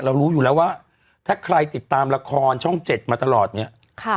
รู้อยู่แล้วว่าถ้าใครติดตามละครช่องเจ็ดมาตลอดเนี่ย